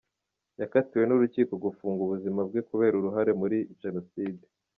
Yakatiwe n’Urukiko gufungwa ubuzima bwe kubera uruhare muri Jenoside .